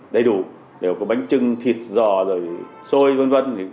đầy đủ đều có bánh trưng thịt giò rồi xôi vân vân